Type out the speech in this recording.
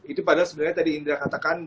itu padahal sebenarnya tadi indra katakan